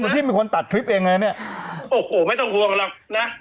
พี่มีคนตัดคลิปเองไงเนี่ยโอ้โหไม่ต้องห่วงหรอกนะ